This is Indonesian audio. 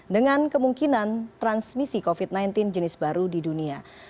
dengan kemungkinan transmisi covid sembilan belas jenis baru di dunia